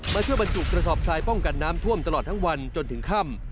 มาช่วยบรรจุกระสอบทรายป้องกันน้ำท่วมตลอดทั้งวันจนถึงค่ำ